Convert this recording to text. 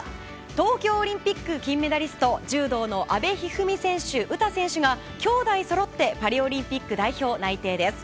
東京オリンピック金メダリスト柔道の阿部一二三選手、詩選手が兄妹そろってパリオリンピック代表内定です。